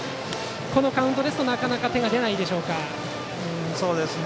このカウントだとなかなか手が出ないでしょうか。